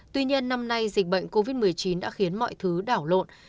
tuy nhiên năm nay dịch bệnh covid một mươi chín đã khiến mọi thứ đảo lộn